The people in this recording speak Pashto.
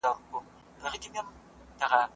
د مسجدونو سينګار څنګه په لاس جوړېده؟